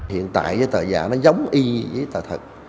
hiện tại tờ giả nó giống y với tờ thật